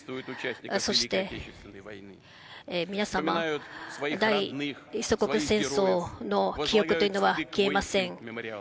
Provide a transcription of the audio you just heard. そして皆様、大祖国戦争の記憶というのは消えません。